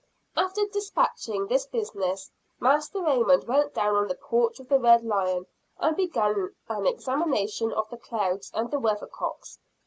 After dispatching this business, Master Raymond went out on the porch of the Red Lion, and began an examination of the clouds and the weather cocks.